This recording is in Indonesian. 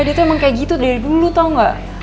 dia tuh emang kayak gitu dari dulu tau gak